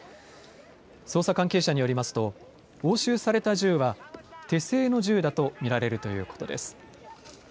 捜査関係者によりますと押収された銃は手製の銃だと見られるということです。